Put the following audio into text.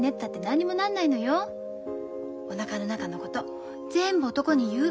おなかの中のこと全部男に言う。